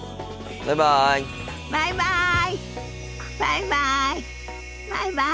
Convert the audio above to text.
バイバイ。